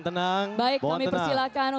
tidak ada yang tidak siapkan